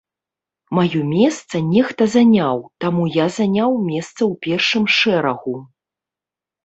Маё месца нехта заняў, таму я заняў месца ў першым шэрагу.